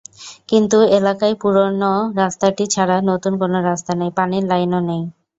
কিন্তু এলাকায় পুরোনো রাস্তাটি ছাড়া নতুন কোনো রাস্তা নেই, পানির লাইনও নেই।